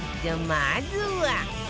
まずは